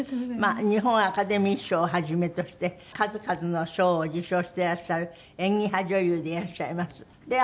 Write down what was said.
まあ日本アカデミー賞を始めとして数々の賞を受賞してらっしゃる演技派女優でいらっしゃいます。